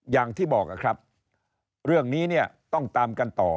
อย่างที่บอกครับเรื่องนี้เนี่ยต้องตามกันต่อ